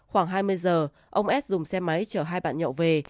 khoảng hai mươi giờ ông s dùng xe máy chở hai bạn nhậu về